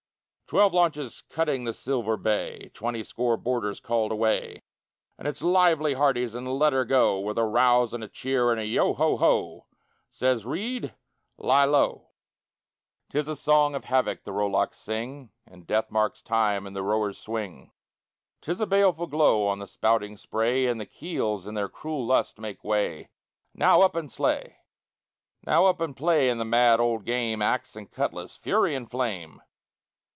Twelve launches cutting the silver bay; Twenty score boarders called away. And it's "Lively, hearties, and let her go!" With a rouse and a cheer and a "Yeo, ho, ho!" Says Reid, "Lie low!" 'Tis a song of havoc the rowlocks sing, And Death marks time in the rower's swing; 'Tis a baleful glow on the spouting spray, As the keels in their cruel lust make way. "Now, up and slay!" Now up and play in the mad old game Axe and cutlass, fury and flame!